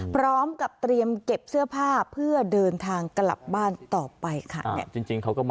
พร้อมกับเตรียมเก็บเสื้อผ้าเพื่อเดินทางกลับบ้านต่อไปค่ะ